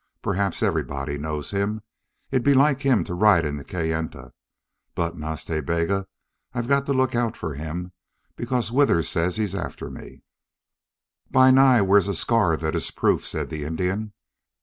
Perhaps everybody knows him. It'd be like him to ride into Kayenta. But, Nas Ta Bega, I've got to look out for him, because Withers says he's after me." "Bi Nai wears a scar that is proof," said the Indian.